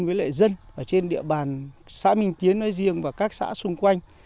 với lại dân ở trên địa bàn xã minh tiến nói riêng và các xã xung quanh